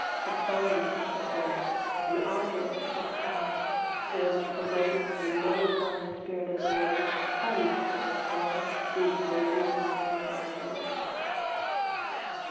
Profound is the forest and august the sky whence the great and melancholy spirit of the woods comes to restore these daily altered elms.